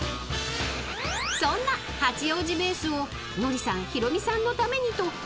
［そんな八王子ベースをノリさんヒロミさんのためにと大公開］